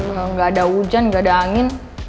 gak ada hujan gak ada angin